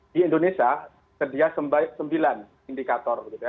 di indonesia sedia sembilan indikator gitu ya